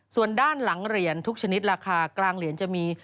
ส่วนด้านหลังเหรียญทุกชนิดราคากลางเหรียญจะมี